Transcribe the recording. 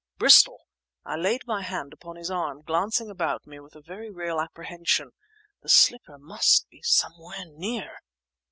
Bristol!"—I laid my hand upon his arm, glancing about me with a very real apprehension—"the slipper must be somewhere near!"